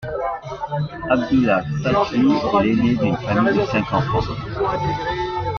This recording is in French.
Abdullah Çatlı est l'ainé d'une famille de cinq enfants.